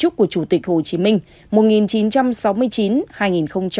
của chủ tịch hồ chí minh